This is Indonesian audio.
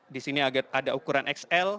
di sini ada ukuran xl